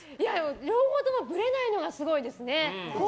両方ともぶれないのがすごいですね。